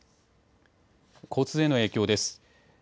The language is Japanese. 交通への影響です。